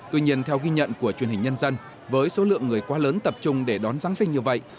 tuy nhiên theo ghi nhận của truyền hình nhân dân với số lượng người quá lớn tập trung để đón giáng sinh như vậy